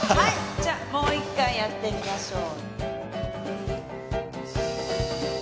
じゃあもう一回やってみましょう。